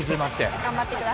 頑張ってください。